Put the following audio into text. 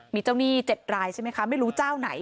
มีเจ้าหนี้๗รายใช่ไหมคะไม่รู้เจ้าไหน